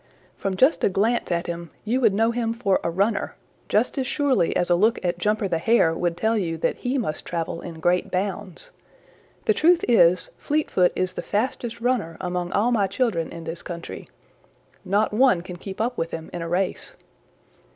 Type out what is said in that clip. From just a glance at him you would know him for a runner just as surely as a look at Jumper the Hare would tell you that he must travel in great bounds. The truth is, Fleetfoot is the fastest runner among all my children in this country. Not one can keep up with him in a race.